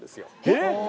えっ！